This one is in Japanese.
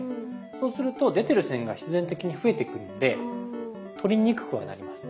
そうすると出てる線が必然的に増えてくるので取りにくくはなります。